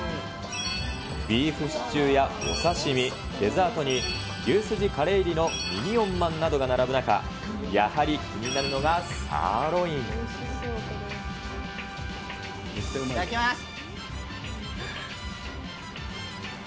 ビーフシチューやお刺身、デザートに、牛すじカレー入りのミニオンまんなどが並ぶ中、やはり気になるのいただきます。